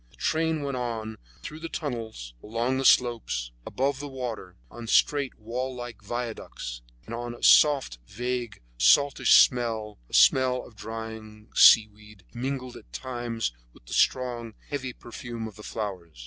The train went on through the tunnels, along the slopes, above the water, on straight, wall like viaducts, and a soft, vague, saltish smell, a smell of drying seaweed, mingled at times with the strong, heavy perfume of the flowers.